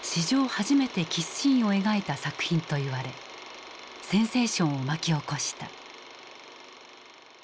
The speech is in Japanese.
初めてキスシーンを描いた作品と言われセンセーションを巻き起こした。